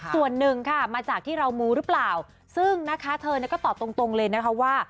ส่วนหนึ่งค่ะมาจากที่เรามูหรือเปล่าซึ่งนะคะเธอเนี่ยก็ตอบตรงเลยนะคะว่า